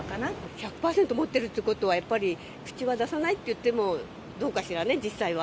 １００％持ってるということはやっぱり口は出さないって言っても、どうかしらね、実際は。